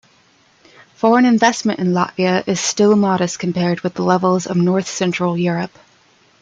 Foreign investment in Latvia is still modest compared with the levels in north-central Europe.